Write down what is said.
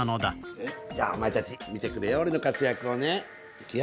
じゃあお前たち見てくれよ俺の活躍をね。いくよ。